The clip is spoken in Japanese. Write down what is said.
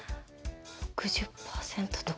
６０％とか？